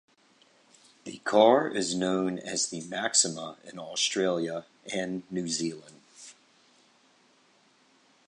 The car is known as the Maxima in Australia and New Zealand.